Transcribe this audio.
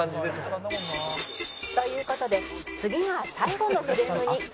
「という事で次が最後のフレームに」